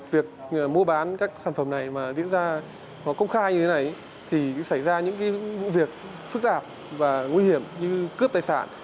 việc mua bán các sản phẩm này mà diễn ra công khai như thế này thì xảy ra những vụ việc phức tạp và nguy hiểm như cướp tài sản